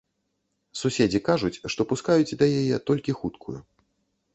Суседзі кажуць, што пускаюць да яе толькі хуткую.